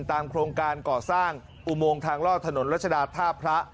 โครงการก่อสร้างอุโมงทางลอดถนนรัชดาท่าพระ